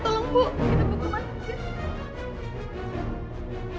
kita ke rumah sakit